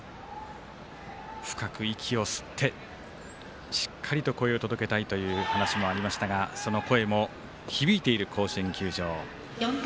深く息を吸ってしっかりと声を届けたいという話もありましたがその声も響いている甲子園球場。